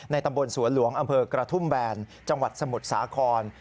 ตำบลสวนหลวงอำเภอกระทุ่มแบนจังหวัดสมุทรสาคร